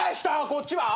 こっちは？